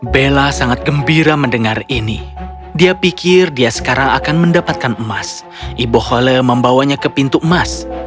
bella sangat gembira mendengar ini dia pikir dia sekarang akan mendapatkan emas ibu hole membawanya ke pintu emas